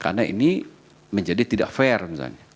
karena ini menjadi tidak fair misalnya